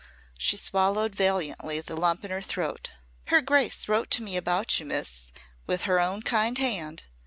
She swallowed valiantly the lump in her throat. "Her grace wrote to me about you, Miss, with her own kind hand.